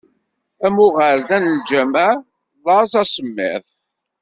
Am uɣerda n lǧameɛ: laẓ, asemmiḍ.